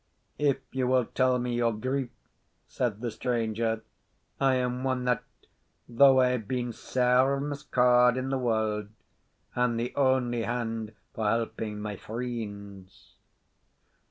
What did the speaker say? "If you will tell me your grief," said the stranger, "I am one that, though I have been sair miscaa'd in the world, am the only hand for helping my freends."